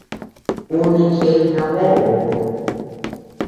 Ú neʼe cheʼe naboʼoo.